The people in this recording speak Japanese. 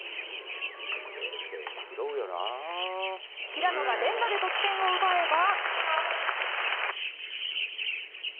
平野が連打で得点を奪えば。